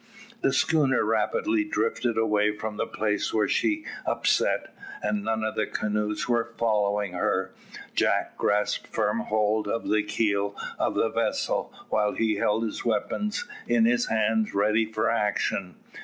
The schooner rapidly drifted away from the place where she upset, and none of the canoes were following her. Jack grasped firm hold of the keel of the vessel while he held his weapons in his hands ready for action.